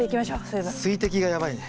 水滴がやばいね。